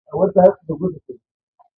ټکی ورو، ورو غټېده.